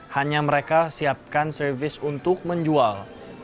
hanya mereka siapkan servis untuk menjual